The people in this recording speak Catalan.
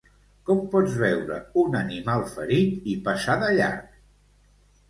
Com pots veure un animal ferit i passar de llarg?